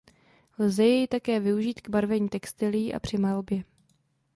Lze jej také využít k barvení textilií a při malbě.